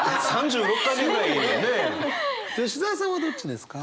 吉澤さんはどっちですか？